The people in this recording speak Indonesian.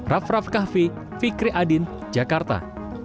raff raff kahvi fikri adin jakarta